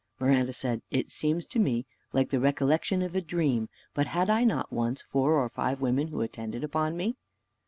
Miranda said, "It seems to me like the recollection of a dream. But had I not once four or five women who attended upon me?"